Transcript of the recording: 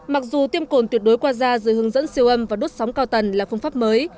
mặc dù tiêm cồn tuyệt đối qua da dưới hướng dẫn siêu âm và đốt sóng cao tần là phương pháp mới